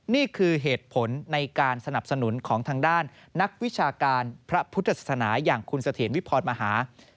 นี่คือเหตุผลในการสนับสนุนของทางด้านนักวิชาการพระพุทธศาสนาอย่างคุณเสถียรวิพรมหา